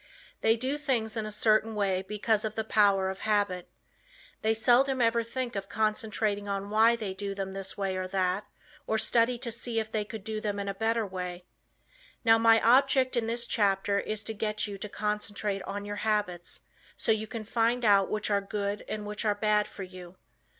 They do things in a certain way because of the power of habit. They seldom ever think of concentrating on why they do them this or that way, or study to see if they could do them in a better way. Now my object in this chapter is to get you to concentrate on your habits so you can find out which are good and which are bad for you.